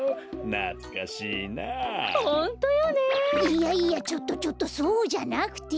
いやいやちょっとちょっとそうじゃなくて！